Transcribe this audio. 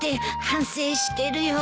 反省してるよ。